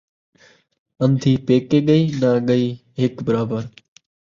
اندھی پیکیں ڳئی ناں ڳئی ہک برابر